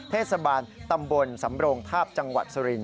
เทศบาลตำบลสำโรงทาบจังหวัดสุรินท